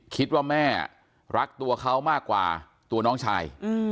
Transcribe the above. คิดว่าแม่รักตัวเขามากกว่าตัวน้องชาย